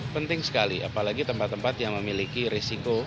penting sekali apalagi tempat tempat yang memiliki risiko